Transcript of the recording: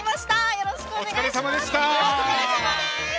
よろしくお願いします。